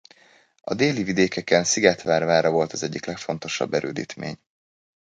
A déli vidékeken Szigetvár vára volt az egyik legfontosabb erődítmény.